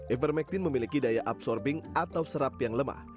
ivermectin memiliki daya absorbing atau serap yang lemah